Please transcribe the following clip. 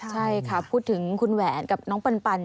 ใช่ค่ะพูดถึงคุณแหวนกับน้องปัน